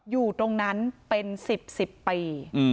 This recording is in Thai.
อยู่ตรงนั้นเป็น๑๐๑๐ปี